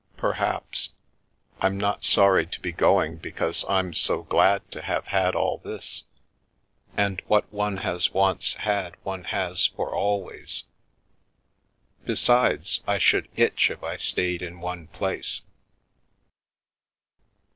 " Perhaps. I'm not sorry to be going because I'm so glad to have had all this, and what one has once had one has for always. Besides, I should itch if I stayed in one place